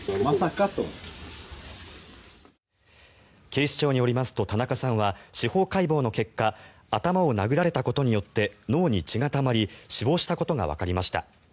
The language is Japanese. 警視庁によりますと田中さんは司法解剖の結果頭を殴られたことによって脳に血がたまり死亡したことがわかりました。